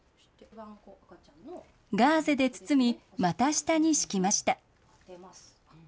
ガーゼで包み、股下に敷きました。